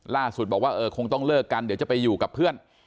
ล่าสุดบอกว่าเออคงต้องเลิกกันเดี๋ยวจะไปอยู่กับเพื่อน